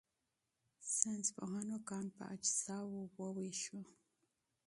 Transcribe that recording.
ساینسپوهانو کان په اجزاوو وویشو.